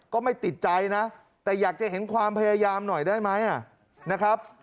ก็ไม่ติดใจนะแต่อยากจะเห็นความพยายามหน่อยได้ไหมนะครับ